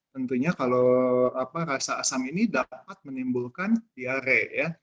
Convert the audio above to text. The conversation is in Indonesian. tentunya kalau rasa asam ini dapat menimbulkan diare